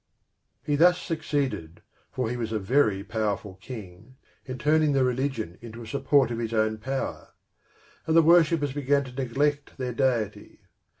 He thus succeeded (for he was a very powerful king), in turning the religion into a support of his own power; and the worshippers began to neglect their deity.